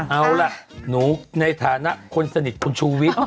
เอาล่ะหนูในฐานะคนสนิทคุณชูวิทย์